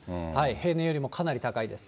平年よりもかなり高いです。